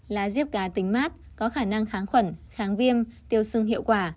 là diếp cá tính mát có khả năng kháng khuẩn kháng viêm tiêu sưng hiệu quả